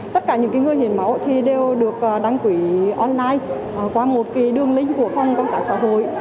tất cả những người hiến máu thì đều được đăng ký online qua một đường link của phòng công tác xã hội